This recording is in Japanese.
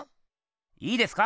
いいですか？